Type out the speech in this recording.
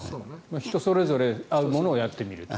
人それぞれ合うものをやってみる。